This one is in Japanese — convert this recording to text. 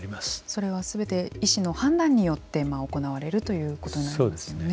それはすべて医師の判断によって行われるということになるんですね。